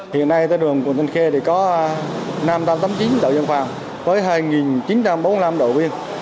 hiện nay đường quận thanh khề có năm nghìn tám trăm tám mươi chín đậu dân phòng với hai nghìn chín trăm bốn mươi năm đậu viên